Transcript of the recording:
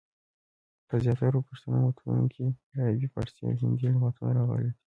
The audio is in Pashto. په زیاترو پښتو متونو کي دعربي، پاړسي، او هندي لغتونه راغلي دي.